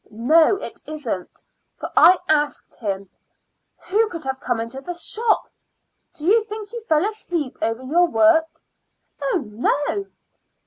"No, it isn't, for I asked him. Who can have come into the shop? Do you think you fell asleep over your work?" "Oh, no."